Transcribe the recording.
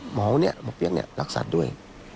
หมอเนี่ยหมอเปี๊ยกเนี่ยรักสัตว์ด้วย